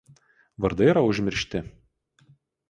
Vardai yra užmiršti.